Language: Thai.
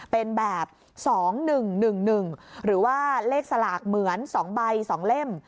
เป็นแบบ๒๑๑๑หรือว่าเลขสลากเหมือน๒ใบ๒เล่ม